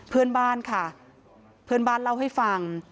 เพื่อนบ้านค่ะเพื่อนบ้านเล่าให้ฟัง